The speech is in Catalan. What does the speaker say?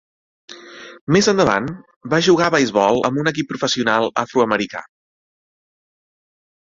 Més endavant, va jugar a beisbol amb un equip professional afroamericà.